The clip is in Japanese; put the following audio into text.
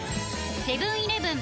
セブン−イレブン